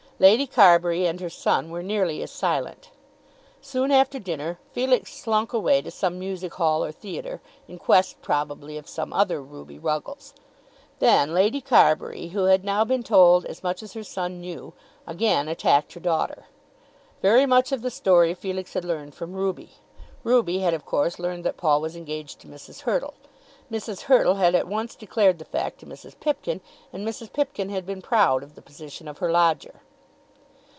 Lady Carbury and her son were nearly as silent. Soon after dinner Felix slunk away to some music hall or theatre in quest probably of some other Ruby Ruggles. Then Lady Carbury, who had now been told as much as her son knew, again attacked her daughter. Very much of the story Felix had learned from Ruby. Ruby had of course learned that Paul was engaged to Mrs. Hurtle. Mrs. Hurtle had at once declared the fact to Mrs. Pipkin, and Mrs. Pipkin had been proud of the position of her lodger.